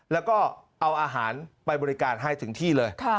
แล้วก็เอาอาหารไปบริการให้ถึงที่เลย